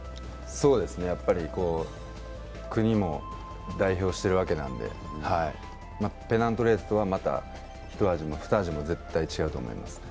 そうですね、やっぱり、国も代表しているわけなんでペナントレースとはひと味もふた味も違うと思います。